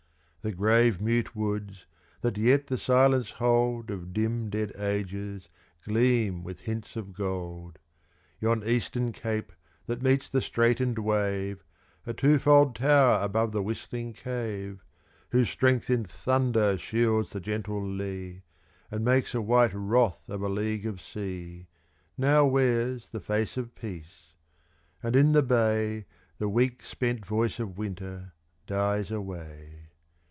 The grave, mute woods, that yet the silence hold Of dim, dead ages, gleam with hints of gold. Yon eastern cape that meets the straitened wave A twofold tower above the whistling cave Whose strength in thunder shields the gentle lea, And makes a white wrath of a league of sea, Now wears the face of peace; and in the bay The weak, spent voice of Winter dies away.